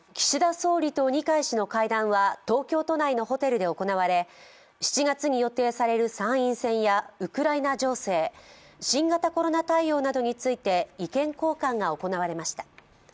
岸田総理と二階氏の会談は東京都内のホテルで行われ７月に予定される参院選やウクライナ情勢、新型コロナ対応などについて意見交換が行われました。